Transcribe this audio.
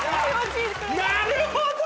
なるほど！